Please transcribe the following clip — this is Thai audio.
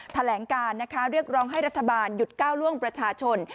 แถลงการนะคะเรียกร้องให้รัฐบาลหยุดก้าวล่วงประชาชน